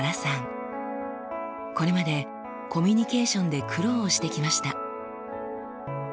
これまでコミュニケーションで苦労をしてきました。